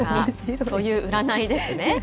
そういう占いですね。